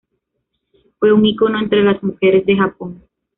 Fue un ícono entre las mujeres de Japón.